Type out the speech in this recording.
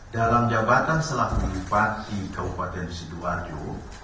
dalam jabatan selangkulipan di kabupaten sidoarjo